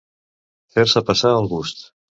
Fer-se passar el gust.